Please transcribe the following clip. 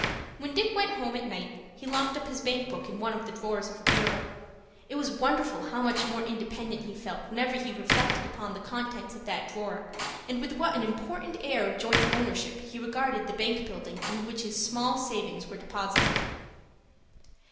When Dick went home at night he locked up his bank book in one of the drawers of the bureau. It was wonderful how much more independent he felt whenever he reflected upon the contents of that drawer, and with what an important air of joint ownership he regarded the bank building in which his small savings were deposited.